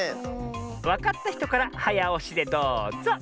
わかったひとからはやおしでどうぞ！